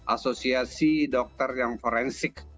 asosiasi dokter yang forensik